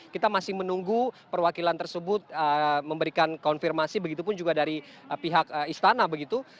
kita masih menunggu perwakilan tersebut memberikan konfirmasi begitu pun juga dari pihak istana begitu